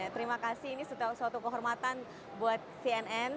terima kasih ini suatu kehormatan buat cnn